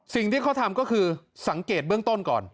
สิ่งที่เขาทำก็คือสังเกตเบื้องต้นก่อน